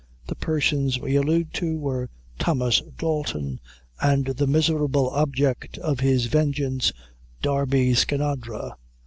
The persons we allude to were Thomas Dalton and the miserable object of his vengeance, Darby Skinadre.